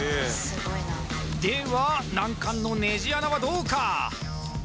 では難関のネジ穴はどうか？